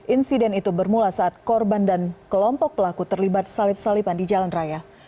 insiden itu bermula saat korban dan kelompok pelaku terlibat salip salipan di jalan raya